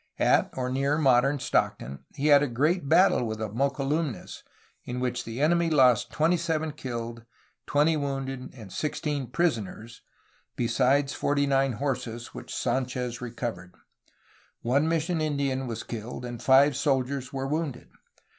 At or near modern Stockton he had a great battle with the Mokelumnes in which the enemy lost twenty seven killed, twenty wound ed, and sixteen prisoners, besides forty nine horses which Sanchez recovered. One mission Indian was killed and five soldiers were wounded.